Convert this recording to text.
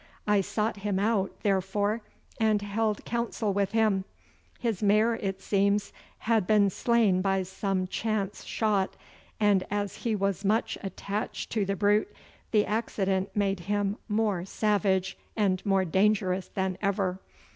I sought him out, therefore, and held council with him. His mare, it seems, had been slain by some chance shot, and as he was much attached to the brute, the accident made him more savage and more dangerous than ever.